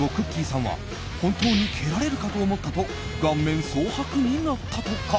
さんは本当に蹴られるかと思ったと顔面蒼白になったとか。